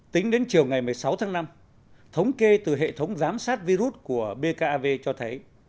tính đến chiều ngày một mươi sáu tháng năm thống kê từ hệ thống giám sát virus của bkav cho thấy